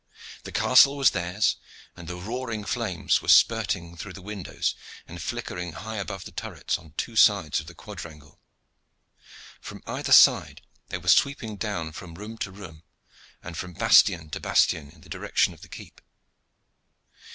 The castle was theirs, and the roaring flames were spurting through the windows and flickering high above the turrets on two sides of the quadrangle. From either side they were sweeping down from room to room and from bastion to bastion in the direction of the keep.